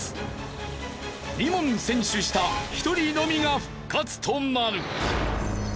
２問先取した１人のみが復活となる。